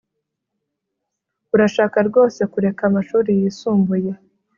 Urashaka rwose kureka amashuri yisumbuye